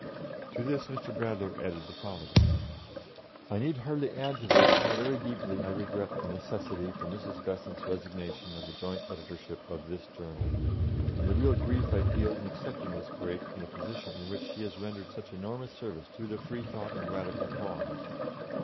To this Mr. Bradlaugh added the following: "I need hardly add to this how very deeply I regret the necessity for Mrs. Besant's resignation of the joint editorship of this Journal, and the real grief I feel in accepting this break in a position in which she has rendered such enormous service to the Freethought and Radical cause.